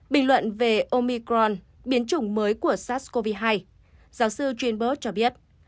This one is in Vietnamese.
bình luận về omicron biến chủng mới của sars cov hai giáo sư trinberg cho biết